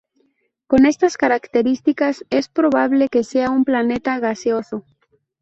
Con estas características, es probable que sea un planeta gaseoso.